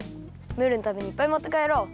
ムールのためにいっぱいもってかえろう。